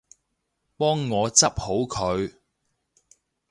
幫我執好佢